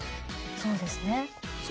そうですね。